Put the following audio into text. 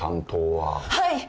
はい！